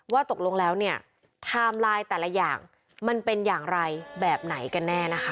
ว่าตกลงแล้วเนี่ยไทม์ไลน์แต่ละอย่างมันเป็นอย่างไรแบบไหนกันแน่นะคะ